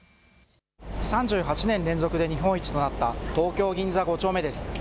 ３８年連続で日本一となった東京銀座５丁目です。